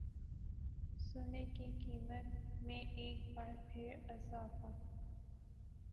سونے کی قیمت میں ایک بار پھر اضافہ